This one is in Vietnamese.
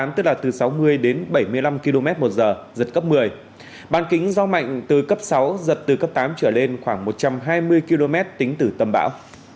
tức là từ sáu mươi đến bảy mươi năm km một giờ giật cấp một mươi bán kính gió mạnh từ cấp sáu giật từ cấp tám trở lên khoảng một trăm hai mươi km tính từ tâm bão